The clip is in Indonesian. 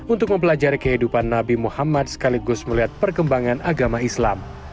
untuk mempelajari kehidupan nabi muhammad sekaligus melihat perkembangan agama islam